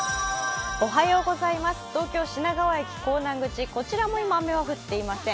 東京・品川駅港南口、こちらも今、雨は降っていません。